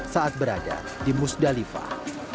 saat berada di musdalifah